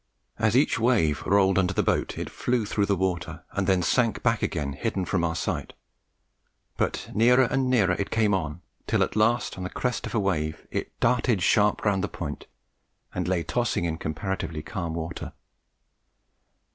As each wave rolled under the boat, it flew through the water, and then sank back again hidden from our sight; but nearer and nearer it came on, till at last on the crest of a wave it darted sharp round the Point, and lay tossing in comparatively calm water.